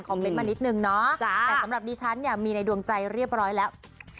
เมนต์มานิดนึงเนาะแต่สำหรับดิฉันเนี่ยมีในดวงใจเรียบร้อยแล้ว